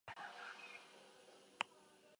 Onurak, ordea, ugariak dira.